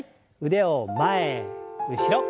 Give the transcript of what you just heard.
腕を前後ろ。